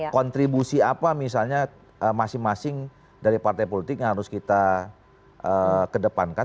kontribusi apa misalnya masing masing dari partai politik yang harus kita kedepankan